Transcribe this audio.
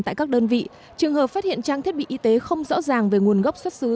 tại các đơn vị trường hợp phát hiện trang thiết bị y tế không rõ ràng về nguồn gốc xuất xứ